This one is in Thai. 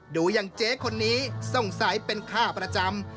ดูอย่างเจ๊คนนี้สงสัยเป็นค่าประจำ